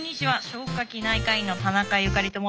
消化器内科医の田中由佳里と申します。